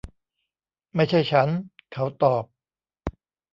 ไม่ใช่ฉัน ! เขาตอบ